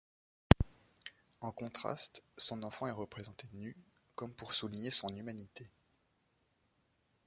En contraste, son enfant est représenté nu, comme pour souligner son humanité.